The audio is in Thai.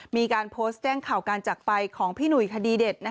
มีการโพสต์แจ้งข่าวการจักรไปของพี่หนุ่ยคดีเด็ด